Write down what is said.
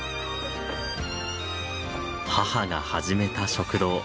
母が始めた食堂。